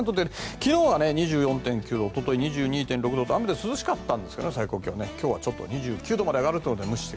昨日は２４．９度おととい２２．６度と雨で涼しったんですけど今日は２９度まで上がるということで。